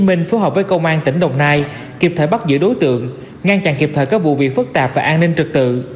công an tp hcm phối hợp với công an tp đồng nai kịp thời bắt giữ đối tượng ngăn chặn kịp thời các vụ việc phức tạp và an ninh trực tự